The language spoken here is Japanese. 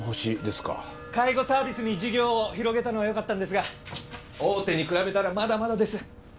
介護サービスに事業を広げたのはよかったんですが大手に比べたらまだまだです。